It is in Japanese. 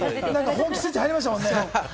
本気スイッチ入りましたね。